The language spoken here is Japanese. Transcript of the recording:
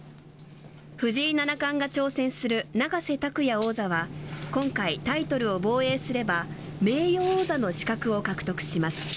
藤井七冠が挑戦する永瀬拓矢王座は今回、タイトルを防衛すれば名誉王座の資格を獲得します。